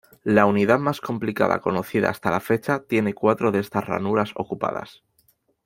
La unidad más complicada conocida hasta la fecha tiene cuatro de estas ranuras ocupadas.